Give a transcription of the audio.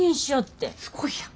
すごいやん。